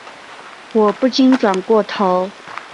我不禁转过头